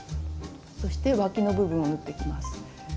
そしてわきの部分を縫っていきます。